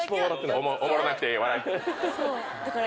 おもろなくてええ。笑い」だから。